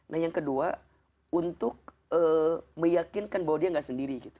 nah yang kedua untuk meyakinkan bahwa dia nggak sendiri gitu